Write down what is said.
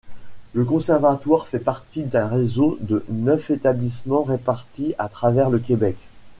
Le Conservatoire fait partie d’un réseau de neuf établissements répartis à travers le Québec.